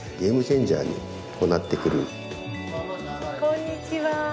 こんにちは。